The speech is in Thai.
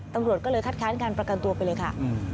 ตำรวจก็เลยคัดค้านการประกันตัวไปเลยค่ะ